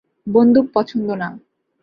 বন্দুক পছন্দ না।